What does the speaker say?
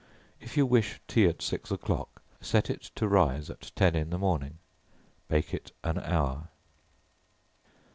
If you wish tea at six o'clock, set it to rise at ten in the morning. Bake it an hour.